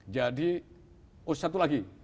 jadi oh satu lagi